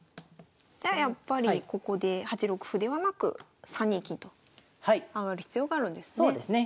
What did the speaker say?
じゃあやっぱりここで８六歩ではなく３二金と上がる必要があるんですね？